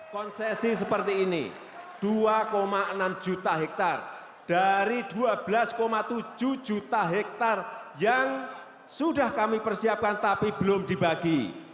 konsesi seperti ini dua enam juta hektare dari dua belas tujuh juta hektare yang sudah kami persiapkan tapi belum dibagi